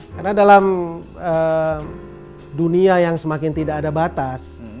karena dalam dunia yang semakin tidak ada batas